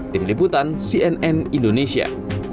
tim liputan cnn indonesia